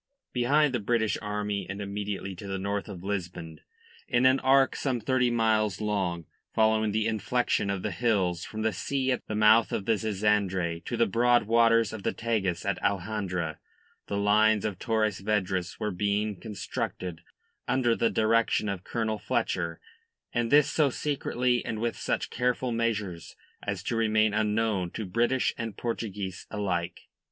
Behind the British army and immediately to the north of Lisbon, in an arc some thirty miles long, following the inflection of the hills from the sea at the mouth of the Zizandre to the broad waters of the Tagus at Alhandra, the lines of Torres Vedras were being constructed under the direction of Colonel Fletcher and this so secretly and with such careful measures as to remain unknown to British and Portuguese alike.